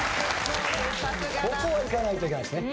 ここはいかないといけないですね